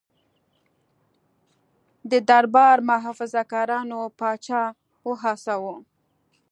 د دربار محافظه کارانو پاچا وهڅاوه.